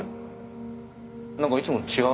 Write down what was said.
何かいつもと違うな。